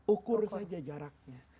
ukur saja jaraknya